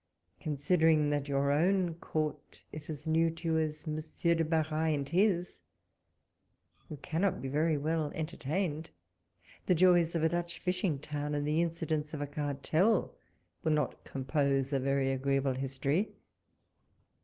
Considering that your own court is as new to you as Monsieur de Bareil and his, you cannot be very well entertained : the joys of a Dutch fish ing town and the incidents of a cartel will not compose a very agreeable history.